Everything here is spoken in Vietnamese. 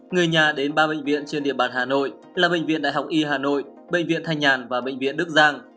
người nhà đến ba bệnh viện trên địa bàn hà nội là bệnh viện đại học y hà nội bệnh viện thanh nhàn và bệnh viện đức giang